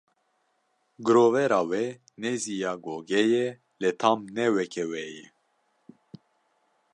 Girovera wê nêzî ya gogê ye, lê tam ne weke wê ye.